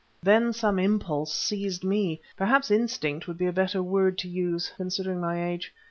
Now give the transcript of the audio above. Then some impulse seized me—perhaps instinct would be a better word to use, considering my age.